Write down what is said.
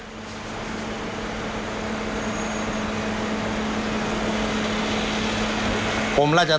เป็นเจ้าหน้าที่เองก็ต้องรับการตรวจนะครับ